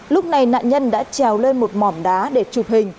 lúc này nạn nhân đã trèo lên một mỏm đá để chụp hình